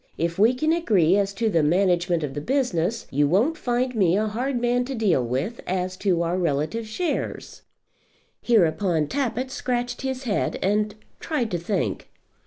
If we can agree as to the management of the business, you won't find me a hard man to deal with as to our relative shares." Hereupon Tappitt scratched his head, and tried to think.